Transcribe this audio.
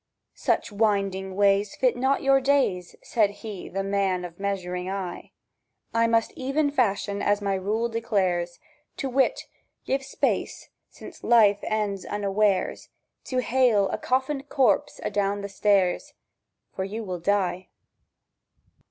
"Such winding ways Fit not your days," Said he, the man of measuring eye; "I must even fashion as my rule declares, To wit: Give space (since life ends unawares) To hale a coffined corpse adown the stairs; For you will die."